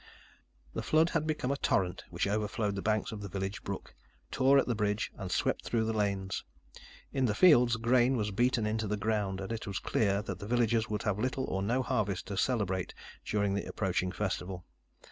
The flood had become a torrent, which overflowed the banks of the village brook, tore at the bridge, and swept through the lanes. In the fields, grain was beaten into the ground and it was clear that the villagers would have little or no harvest to celebrate during the approaching festival.